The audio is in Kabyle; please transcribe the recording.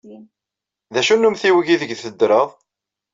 D acu n umtiweg aydeg teddred?